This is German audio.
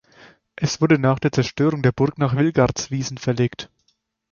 Es wurde nach der Zerstörung der Burg nach Wilgartswiesen verlegt.